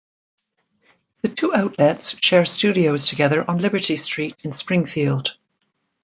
The two outlets share studios together on Liberty Street in Springfield.